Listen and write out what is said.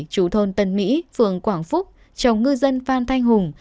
chú thôn tân mỹ phường quảng phúc chồng ngư dân phan thanh hùng